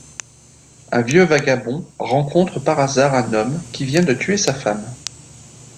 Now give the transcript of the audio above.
Un vieux vagabond rencontre par hasard un homme qui vient de tuer sa femme.